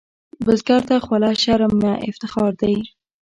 بزګر ته خوله شرم نه، افتخار دی